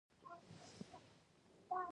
انګور د افغانستان د اقلیمي نظام یوه ښکارندوی ده.